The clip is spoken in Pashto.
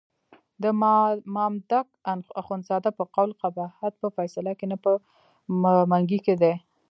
د مامدک اخندزاده په قول قباحت په فیصله کې نه په منګي کې دی.